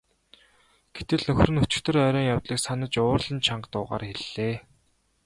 Гэтэл нөхөр нь өчигдөр оройн явдлыг санаж уурлан чанга дуугаар хэллээ.